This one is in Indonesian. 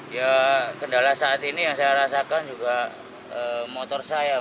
ya kendala saat ini yang saya rasakan juga motor saya